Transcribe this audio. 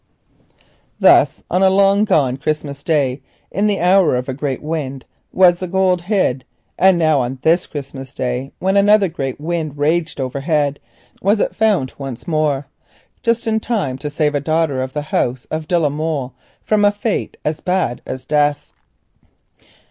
Thus on a long gone Christmas Day, in the hour of a great wind, was the gold hid, and now on this Christmas Day, when another great wind raged overhead, it was found again, in time to save a daughter of the house of de la Molle from a fate sore as death.